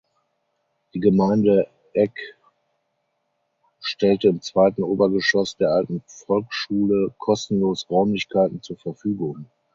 Die Gemeinde Egg stellte im zweiten Obergeschoss der alten Volksschule kostenlos Räumlichkeiten zur Verfügung.